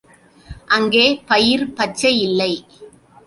அங்கே பயிர் பச்சை இல்லை.